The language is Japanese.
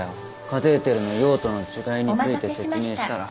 カテーテルの用途の違いについて説明したら。